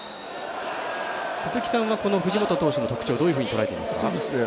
鈴木さんは藤本投手の特徴どういうふうに捉えていますか？